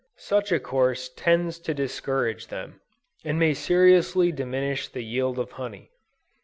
Such a course tends to discourage them, and may seriously diminish the yield of honey.